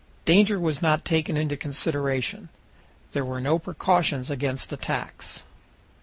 Danger was not taken into consideration. There were no precautions against attacks.